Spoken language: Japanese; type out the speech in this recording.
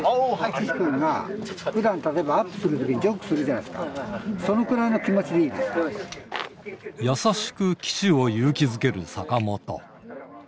岸君がふだん例えばアップするときに、ジャンプするじゃないですか、そのくらいの気持ちでいいで優しく岸を勇気づける坂本。